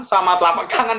sama telapak tangan